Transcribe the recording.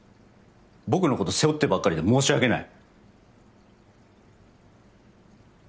僕の事背負ってばっかりで申し訳ない。